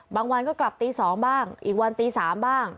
บางวันก็กลับตี๒บ้างอีกวันตี๓บ้าง